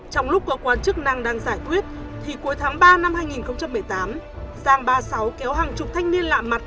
trong lúc cơ quan chức năng đang giải quyết thì cuối tháng ba năm hai nghìn một mươi tám giang ba mươi sáu kéo hàng chục thanh niên lạ mặt